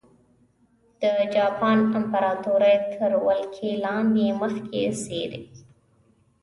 د جاپان امپراتورۍ تر ولکې لاندې مخکښې څېرې.